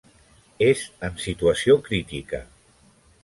És en situació crítica.